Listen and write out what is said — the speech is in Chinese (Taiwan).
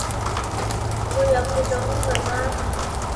會有輔助工具嗎